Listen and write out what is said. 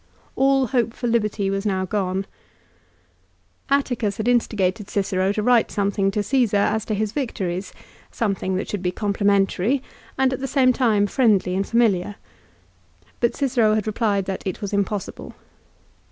All hope for liberty was aetat. 62. now g 0ne> Atticus had instigated Cicero to write something to Caesar as to his victories, something that should be complimentary, and at the same time friendly and familiar. But Cicero had replied that it was impossible.